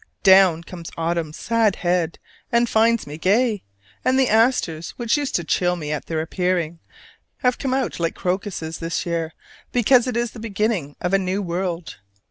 Down comes autumn's sad heart and finds me gay; and the asters, which used to chill me at their appearing, have come out like crocuses this year because it is the beginning of a new world.